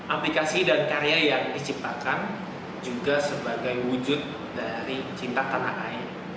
aplikasi dan karya yang diciptakan juga sebagai wujud dari cintakan ai